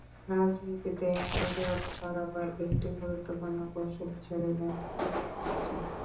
রাজনীতিতে গুজব বরাবর একটি গুরুত্বপূর্ণ কৌশল হিসাবে ব্যবহৃত হয়ে এসেছে।